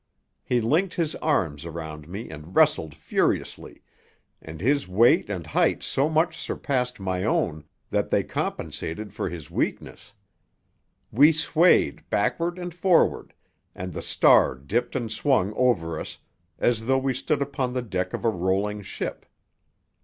He linked his arms around me and wrestled furiously, and his weight and height so much surpassed my own that they compensated for his weakness. We swayed backward and forward, and the star dipped and swung over us, as though we stood upon the deck of a rolling ship.